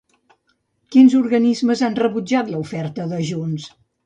Quins organismes han rebutjat l'oferta de Junts?